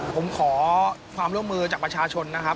ผมขอความร่วมมือจากประชาชนนะครับ